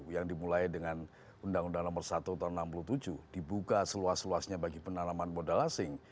yang dimulai dengan undang undang nomor satu tahun seribu sembilan ratus enam puluh tujuh dibuka seluas luasnya bagi penanaman modal asing